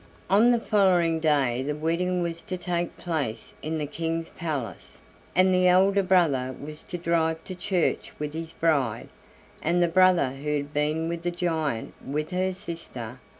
On the following day the wedding was to take place in the King's palace, and the elder brother was to drive to church with his bride, and the brother who had been with the giant with her sister.